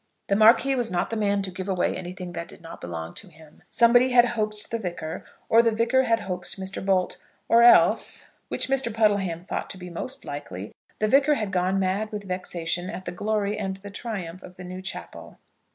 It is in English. The Marquis was not the man to give away anything that did not belong to him. Somebody had hoaxed the Vicar, or the Vicar had hoaxed Mr. Bolt; or else, which Mr. Puddleham thought to be most likely, the Vicar had gone mad with vexation at the glory and the triumph of the new chapel.